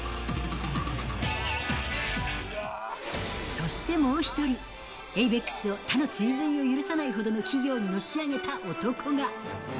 そしてもう１人、ａｖｅｘを、他の追随を許さない企業にのし上げた男が。